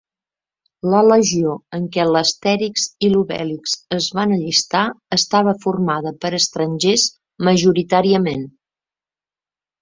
La legió en què l'Astérix i l'Obélix es van allistar estava formada per estrangers majoritàriament.